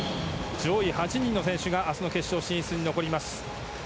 上位８人の選手が明日の決勝に残ります。